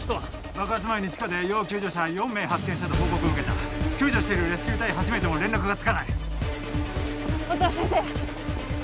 爆発前に地下で要救助者４名発見したと報告を受けた救助してるレスキュー隊８名とも連絡がつかない音羽先生！